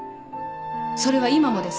それは今もです。